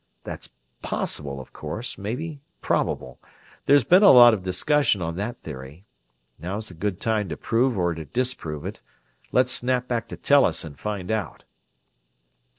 That's possible, of course, maybe probable: there's been a lot of discussion on that theory. Now's a good time to prove or to disprove it. Let's snap back to Tellus and find out."